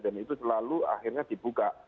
dan itu selalu akhirnya dibuka